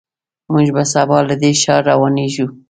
موږ به سبا له دې ښار روانېږو.